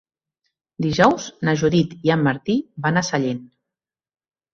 Dijous na Judit i en Martí van a Sellent.